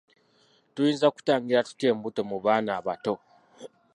Tuyinza kutangira tutya embuto mu baana abato?